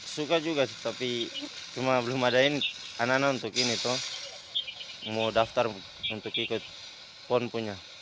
suka juga sih tapi cuma belum adain anak anak untuk ini tuh mau daftar untuk ikut pon punya